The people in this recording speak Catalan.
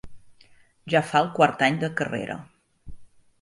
Ja fa el quart any de carrera.